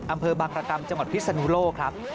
อำเภอบังกลากรรมจังหวัดพิษณุโลค่ะ